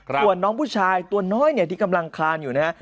ส่วนน้องผู้ชายตัวน้อยเนี่ยที่กำลังคลานอยู่นะฮะ